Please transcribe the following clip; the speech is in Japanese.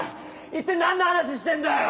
一体何の話してんだよ！